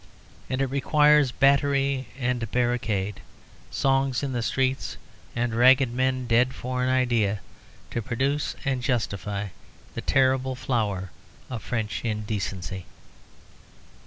And it requires battery and barricade, songs in the streets, and ragged men dead for an idea, to produce and justify the terrible flower of French indecency.